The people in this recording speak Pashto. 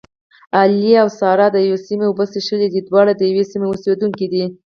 علي او سارې دیوې سیمې اوبه څښلې دي. دواړه د یوې سیمې اوسېدونکي دي.